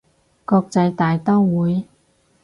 國際大刀會